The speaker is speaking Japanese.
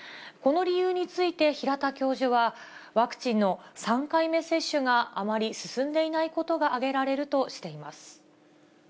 この理由について、平田教授は、ワクチンの３回目接種があまり進んでいないことが挙げられるとしています。